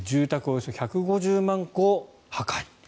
およそ１５０万戸破壊。